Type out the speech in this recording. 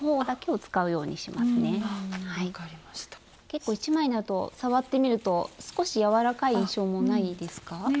結構１枚になると触ってみると少し柔らかい印象もないですか？